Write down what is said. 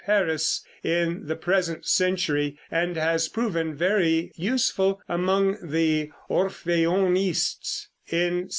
Paris, in the present century, and has proven very useful among the Orphéonistes.